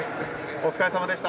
お疲れさまでした。